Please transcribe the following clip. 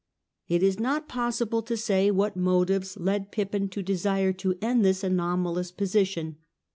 It is not possible to say what motives led Pippin to desire to end this anomalous position.